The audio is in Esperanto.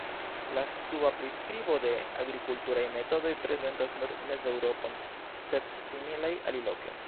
La suba priskribo de agrikulturaj metodoj reprezentas nur Mez-Eŭropon, sed similaj aliloke.